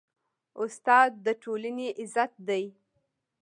استاد د ټولنې عزت دی.